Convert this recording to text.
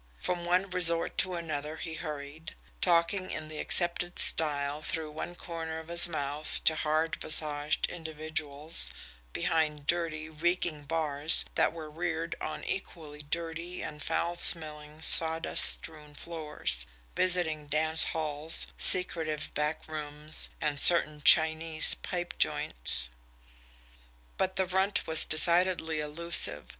From one resort to another he hurried, talking in the accepted style through one corner of his mouth to hard visaged individuals behind dirty, reeking bars that were reared on equally dirty and foul smelling sawdust strewn floors; visiting dance halls, secretive back rooms, and certain Chinese pipe joints. But the Runt was decidedly elusive.